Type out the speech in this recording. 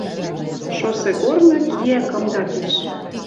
Шоссегорны киӓ кымда пиш.